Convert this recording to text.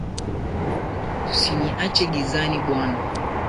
Usiniache gizani bwana